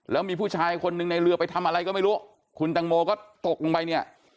แล้วมีผู้ชายคนหนึ่งในเรือไปทำอะไรก็ไม่รู้คุณตังโมก็ตกลงไปเนี่ย